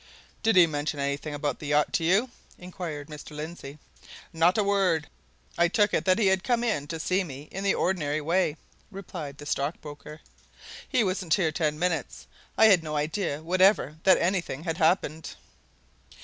"Did he mention anything about the yacht to you?" inquired Mr. Lindsey. "Not a word! I took it that he had come in to see me in the ordinary way," replied the stockbroker. "He wasn't here ten minutes. I had no idea whatever that anything had happened."